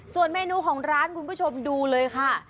ส่วนเมนูของร้านคุณผู้ชมดูเลยค่ะ